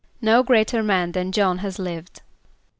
="No greater man than J[)o]hn has lived."